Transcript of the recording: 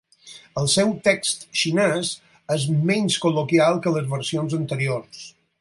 El seu text xinès és menys col·loquial que les versions anteriors.